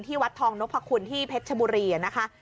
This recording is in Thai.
ที่วัดทองนคพรขุนที่เพชรบุรีนะคะ